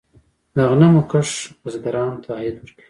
د غنمو کښت بزګرانو ته عاید ورکوي.